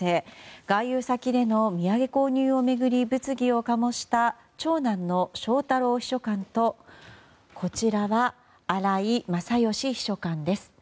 外遊先での土産購入を巡り物議をかもした長男の翔太郎秘書官と荒井勝喜秘書官です。